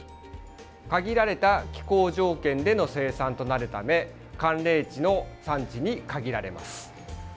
限られた気候条件での生産となるため寒冷地の産地に限られます。